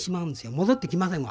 戻ってきませんわ。